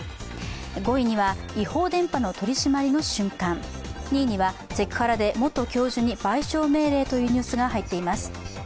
５位には違法電波の取り締まりの瞬間、２位には、セクハラで元教授の賠償命令というニュースが入っています。